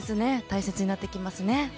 大切になってきますね。